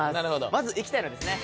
まず行きたいのはですね